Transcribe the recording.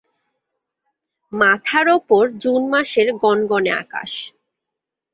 মাথার ওপর জুন মাসের গনগনে আকাশ।